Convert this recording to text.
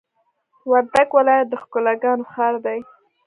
وردګ ولایت د ښکلاګانو ښار دی!